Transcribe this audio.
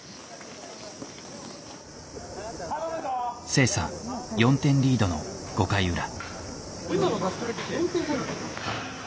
星槎４点リードの５回裏。